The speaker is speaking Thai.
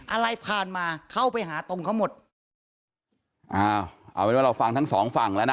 อะไรผ่านมาเข้าไปหาตรงเขาหมดอ้าวเอาเป็นว่าเราฟังทั้งสองฝั่งแล้วนะ